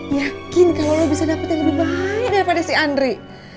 yakin kalau lo bisa dapat yang lebih baik daripada si andri